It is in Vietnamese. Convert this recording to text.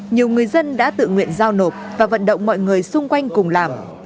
nhiều người dân đã tự nguyện giao nộp và vận động mọi người xung quanh cùng làm